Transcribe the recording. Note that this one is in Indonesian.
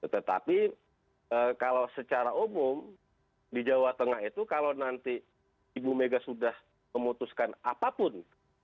tetapi kalau secara umum di jawa tengah itu kalau nanti ibu mega sudah memutuskan apapun